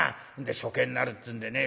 で処刑になるっつうんでね